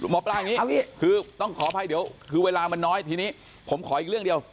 หมอปลาอย่างนี้คือต้องขออภัยเดี๋ยวคือเวลามันน้อยทีนี้ผมขออีกเรื่องเดียว